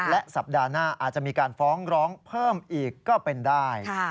และสัปดาห์หน้าอาจจะมีการฟ้องร้องเพิ่มอีกก็เป็นได้